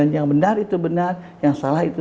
yang benar itu benar yang salah itu